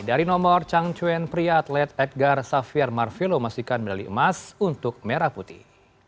dari nomor chang chuen pria atlet edgar safir marvelo memastikan medali emas untuk merah putih